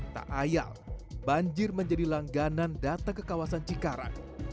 tak ayal banjir menjadi langganan data ke kawasan cikarang